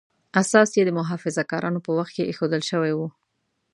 اساس یې د محافظه کارانو په وخت کې ایښودل شوی و.